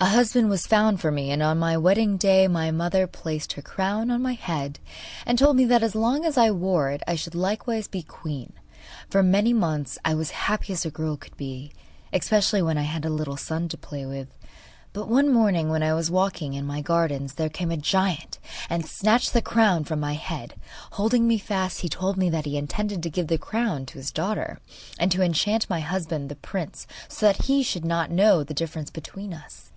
A husband was found for me, and on my wedding day my mother placed her crown on my head and told me that as long as I wore it I should likewise be queen. For many months I was as happy as a girl could be, especially when I had a little son to play with. But, one morning, when I was walking in my gardens, there came a giant and snatched the crown from my head. Holding me fast, he told me that he intended to give the crown to his daughter, and to enchant my husband the prince, so that he should not know the difference between us.